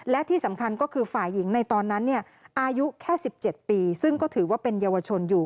และที่สำคัญก็คือฝ่ายหญิงในตอนนั้นอายุแค่๑๗ปีซึ่งก็ถือว่าเป็นเยาวชนอยู่